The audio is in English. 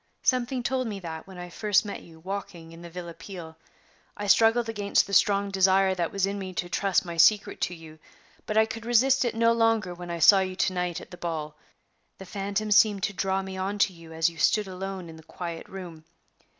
Something told me that when I first met you walking in the Villa Peale. I struggled against the strong desire that was in me to trust my secret to you, but I could resist it no longer when I saw you to night at the ball; the phantom seemed to draw me on to you as you stood alone in the quiet room.